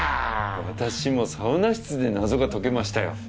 私もサウナ室で謎が解けましたよ。